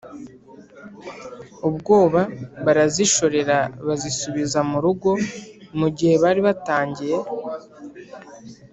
ubwoba, barazishorera bazisubiza mu rugo. mu gihe bari batangiye